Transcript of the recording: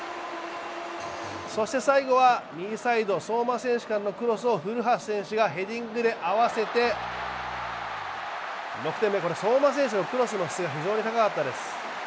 そして最後は右サイド相馬選手から古橋選手がヘディングで合わせて６点目、相馬選手のクロスの精度が非常に高かったです。